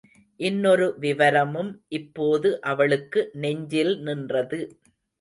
இன்னொரு விவரமும் இப்போது அவளுக்கு நெஞ்சில் நின்றது.